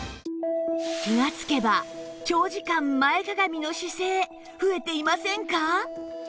気がつけば長時間前かがみの姿勢増えていませんか？